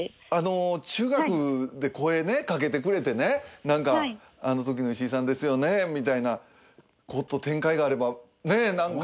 中学で声ねかけてくれてねなんかあのときの石井さんですよねみたいな展開があればねっなんか。